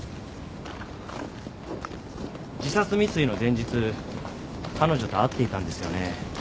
自殺未遂の前日彼女と会っていたんですよね？